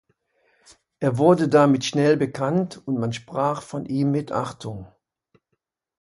Er wurde damit schnell bekannt und man sprach von ihm mit Achtung.